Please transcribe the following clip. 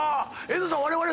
遠藤さん。